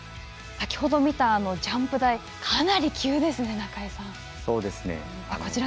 先ほど見たジャンプ台かなり急ですね、中井さん。